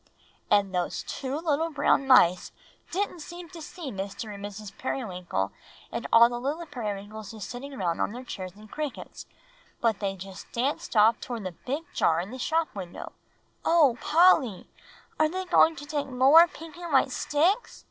"And those two little brown mice didn't seem to see Mr. Periwinkle and Mrs. Periwinkle and all the little Periwinkleses sitting round on their chairs and crickets, but they just danced off towards the big jar in the shop window." "O Polly! are they going to take more pink and white sticks?"